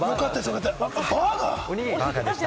バーガーでした。